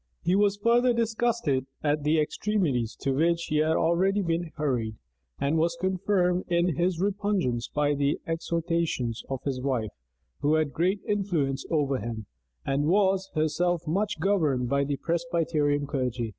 He was further disgusted at the extremities into which he had already been hurried; and was confirmed in his repugnance by the exhortations of his wife, who had great influence over him, and was herself much governed by the Presbyterian clergy.